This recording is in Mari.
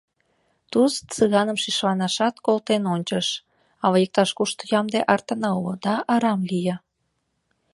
Туз Цыганым шишланашат колтен ончыш — ала иктаж-кушто ямде артана уло, да арам лие.